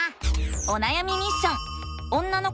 おなやみミッション！